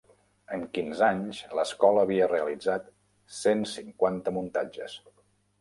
En quinze anys, l'escola havia realitzat cent cinquanta muntatges.